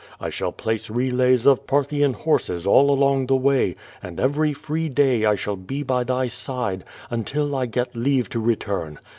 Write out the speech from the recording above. I shall place relays of Parthian horses all along the way, and every free day I shall be by thy side, until I get leave to return.